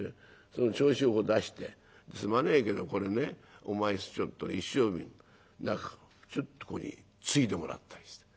その銚子を出してすまねえけどこれねお前ちょっと一升瓶ちょっとここについでもらったりして。